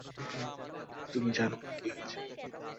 তুমি জানোও না কী হয়ে গেছে।